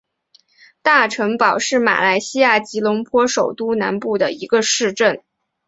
大城堡是马来西亚吉隆坡首都南部的一个市镇。